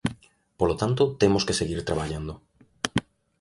Polo tanto, temos que seguir traballando.